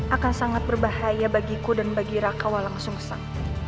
akan sangat berbahaya bagiku dan bagi raka walangsungsang